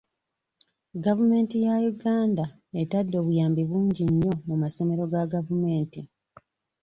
Gavumenti ya Uganda etadde obuyambi bungi nnyo mu masomero ga gavumenti.